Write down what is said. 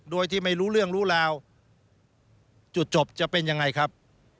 โดยที่ไม่รู้เรื่องรู้ราวจุดจบจะเป็นยังไงครับ